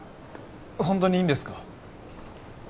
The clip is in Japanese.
ホントにいいんですか？